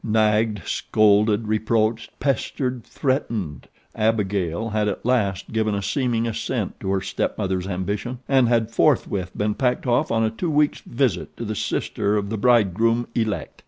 Nagged, scolded, reproached, pestered, threatened, Abigail had at last given a seeming assent to her stepmother's ambition; and had forthwith been packed off on a two weeks visit to the sister of the bride groom elect.